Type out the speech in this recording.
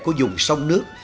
của vùng sông nước